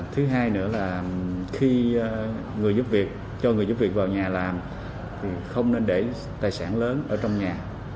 thứ hai nữa là khi người giúp việc cho người giúp việc vào nhà làm thì không nên để tài sản lớn ở trong nhà